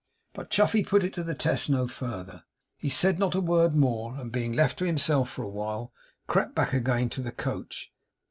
But Chuffey put it to the test no farther. He said not a word more, and being left to himself for a little while, crept back again to the coach.